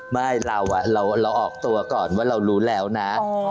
ไม่เราออกตัวก่อนว่าเรารู้แล้วนะ